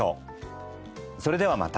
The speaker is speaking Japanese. それではまた。